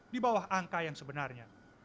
di bawah angka yang sebenarnya